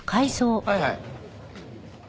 はいはい。